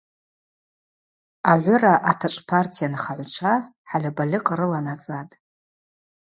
Агӏвыра атачӏв партия нхагӏвчва хӏальабальыкъ рыланацӏатӏ.